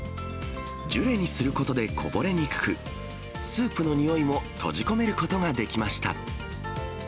ジュレにすることでこぼれにくく、スープの匂いも閉じ込めることができました。